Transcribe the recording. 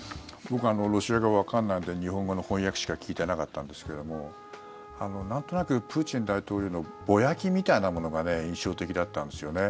僕、ロシア語がわかんないので日本語の翻訳しか聞いてなかったんですけれどもなんとなくプーチン大統領のぼやきみたいなものが印象的だったんですよね。